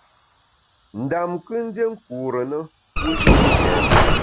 Ndam kù ndié nkure na mbu i pi kèn.